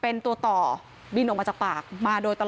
เป็นพระรูปนี้เหมือนเคี้ยวเหมือนกำลังทำปากขมิบท่องกระถาอะไรสักอย่าง